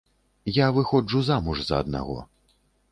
Я выходжу замуж за аднаго.